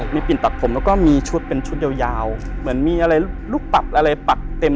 มีปิ่นปักผมแล้วก็